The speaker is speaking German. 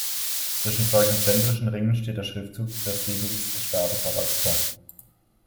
Zwischen zwei konzentrischen Ringen steht der Schriftzug "Das Siegel des Staates Alaska".